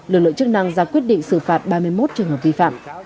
lực lượng chức năng ra quyết định xử phạt ba mươi một trường hợp vi phạm